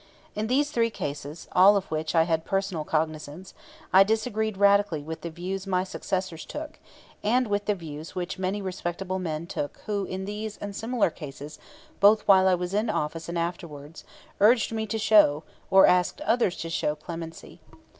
In these three cases, of all of which I had personal cognizance, I disagreed radically with the views my successors took, and with the views which many respectable men took who in these and similar cases, both while I was in office and afterward, urged me to show, or to ask others to show, clemency.